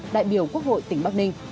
đại biểu quốc hội tỉnh bắc ninh